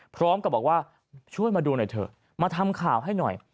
พร้อมกับบอกว่าช่วยมาดูหน่อยเถอะมาทำข่าวให้หน่อย